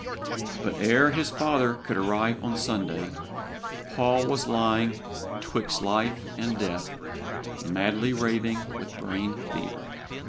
But ere his father could arrive on Sunday, Paul was lying 'twixt life and death, madly raving with brain fever.